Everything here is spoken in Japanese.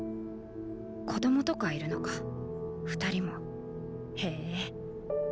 子供とかいるのか二人もへー。